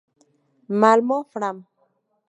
Malmö: Fram.